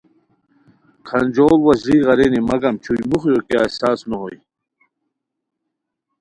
کھانجوڑ وا ژریغ ارینی مگم چھوئے موخیو کیہ احساس نو ہوئے